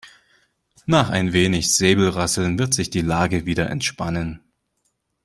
Nach ein wenig Säbelrasseln wird sich die Lage wieder entspannen.